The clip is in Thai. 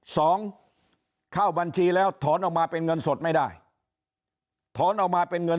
สองเข้าบัญชีแล้วถอนออกมาเป็นเงินสดไม่ได้